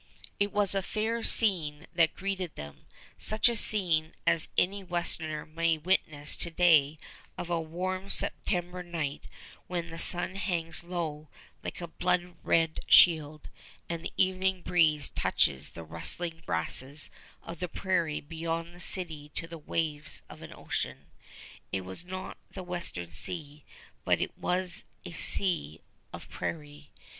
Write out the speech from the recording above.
It was a fair scene that greeted them, such a scene as any westerner may witness to day of a warm September night when the sun hangs low like a blood red shield, and the evening breeze touches the rustling grasses of the prairie beyond the city to the waves of an ocean. It was not the Western Sea, but it was a Sea of Prairie.